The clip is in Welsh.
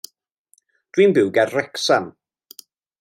Dwi'n byw ger Wrecsam.